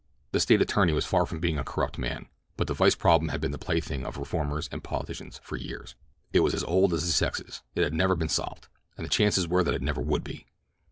The State attorney was far from being a corrupt man; but the vice problem had been the plaything of reformers and politicians for years; it was as old as the sexes; it never had been solved, and the chances were that it never would be.